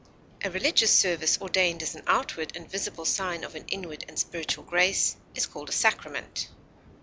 A religious service ordained as an outward and visible sign of an inward and spiritual grace is called a sacrament.